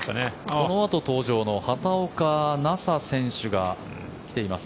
このあと登場の畑岡奈紗選手が来ています。